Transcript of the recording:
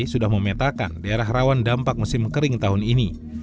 sudah memetakan daerah rawan dampak musim kering tahun ini